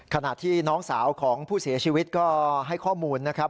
ขณะที่น้องสาวของผู้เสียชีวิตก็ให้ข้อมูลนะครับ